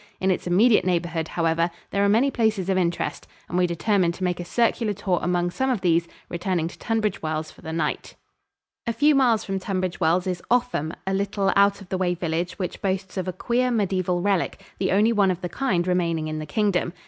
In its immediate neighborhood, however, there are many places of interest, and we determined to make a circular tour among some of these, returning to Tunbridge Wells for the night. [Illustration: ENTRANCE FRONT BODIAM CASTLE, SUSSEX.] A few miles from Tunbridge Wells is Offham, a little, out of the way village which boasts of a queer mediaeval relic, the only one of the kind remaining in the Kingdom.